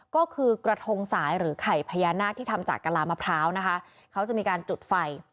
ก็คือกระทงสายหรือไข่พญานาคที่ทำจากกะลามะพร้าวนะคะเขาจะมีการจุดไฟ